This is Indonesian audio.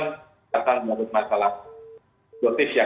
dan menyebut masalah